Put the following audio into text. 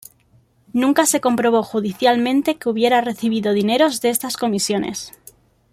Nunca se comprobó judicialmente que hubiera recibido dineros de estas comisiones.